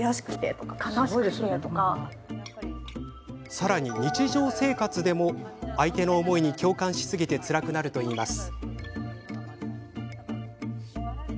さらに、日常生活でも相手の思いに共感しすぎてつらくなるといいます。